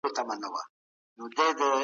ایا لوی صادروونکي بادام اخلي؟